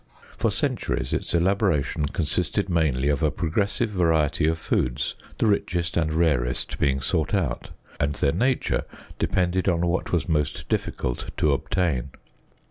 For centuries its elaboration consisted mainly of a progressive variety of foods, the richest and rarest being sought out; and their nature depended on what was most difficult to obtain.